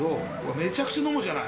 めちゃくちゃ飲むじゃない。